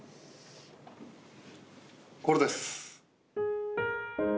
これです。